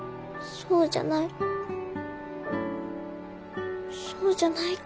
そうじゃないから。